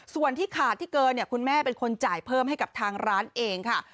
ส่วนที่ขาดที่เกินเนี่ยคุณแม่เป็นคนจ่ายเพิ่มให้กับทางร้านเองค่ะ